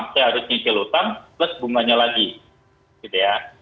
saya harus nyicil utang plus bunganya lagi gitu ya